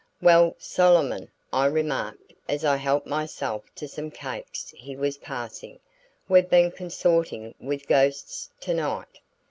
"Well Solomon," I remarked as I helped myself to some cakes he was passing, "we've been consorting with ghosts tonight."